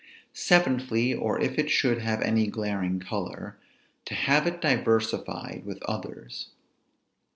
Seventhly, or if it should have any glaring color, to have it diversified with others.